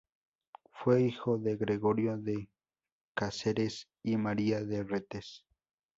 Fue hijo de Gregorio de Cáceres y María de Retes.